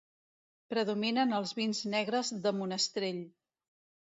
Predominen els vins negres de monestrell.